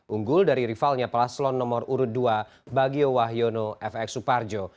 unggul dari rivalnya paslon nomor urut dua bagio wahyono fx suparjo